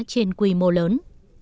trên quy mô lớn